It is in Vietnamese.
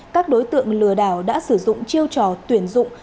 các đối tượng lừa đảo đã sử dụng chiêu trò tuyển dụng